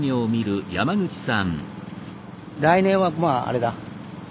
来年はまああれだ。